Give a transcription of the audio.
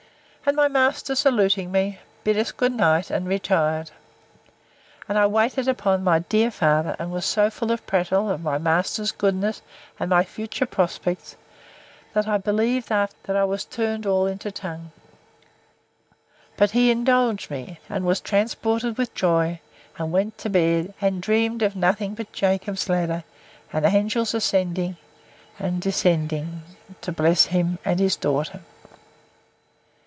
And my master, saluting me, bid us good night, and retired. And I waited upon my dear father, and was so full of prattle, of my master's goodness, and my future prospects, that I believed afterwards I was turned all into tongue: but he indulged me, and was transported with joy; and went to bed, and dreamed of nothing but Jacob's ladder, and angels ascending and descending, to bless him and his daughter.